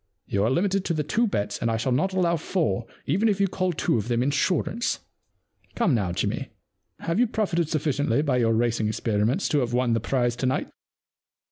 You are limited to the two bets, and I shall not allow four even if you call two of them insurance. Come now, Jimmy, have you profited suffi ciently by your racing experiences to have won the prize to night